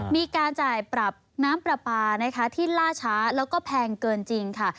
มีการจ่ายปรับน้ำปลาปลานะคะที่ล่าช้าแล้วก็แพงเกินจริงค่ะ